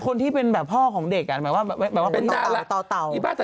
คนที่เป็นพ่อของเด็กก็แหม่งว่า